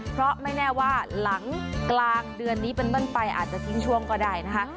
เพราะไม่แน่ว่าหลังกลางเดือนนี้เป็นต้นไปอาจจะทิ้งช่วงก็ได้นะคะ